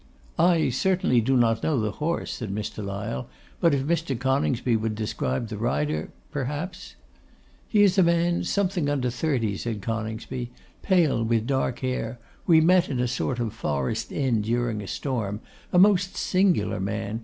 'I certainly do not know the horse,' said Mr. Lyle; 'but if Mr. Coningsby would describe the rider, perhaps ' 'He is a man something under thirty,' said Coningsby, 'pale, with dark hair. We met in a sort of forest inn during a storm. A most singular man!